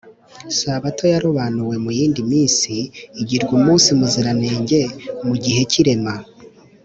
sabato yarobanuwe mu yindi minsi igirwa umunsi muziranenge mu gihe cy’irema